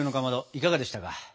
いかがでしたか？